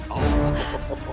aku tidak mau